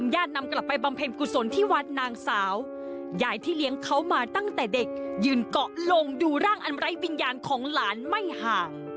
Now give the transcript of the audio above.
ยืนเกาะลงดูร่างอันไร้วิญญาณของหลานไม่ห่าง